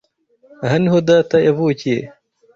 Aha niho data yavukiye.